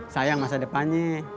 sayang masa depannya